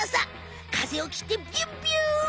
風をきってビュンビュン！